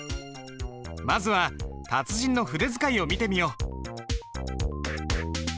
まずは達人の筆使いを見てみよう。